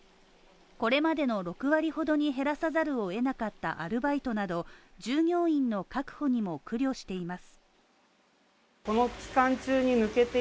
これまでの６割ほどに減らさざるを得なくなったアルバイトなど従業員の確保にも苦慮しています。